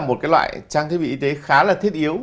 một loại trang thiết bị y tế khá là thiết yếu